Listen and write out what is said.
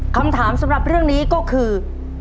คำถามสำหรับเรื่องนี้ก็คือ